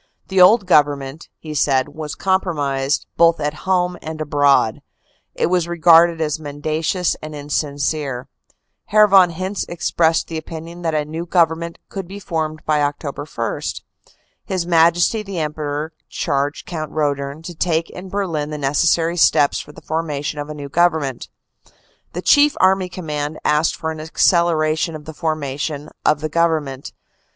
The old Government, he said, was compromised both AFTER THE BATTLE 281 at home and abroad; it was regarded as mendacious and insin cere. Herr von Hintze expressed the opinion that a new Gov ernment could be formed by Oct. 1. His Majesty the Emperor charged Count Roedern to take in Berlin the necessary steps for the formation of a new Government. The Chief Army Command asked for an acceleration of the formation of the Government.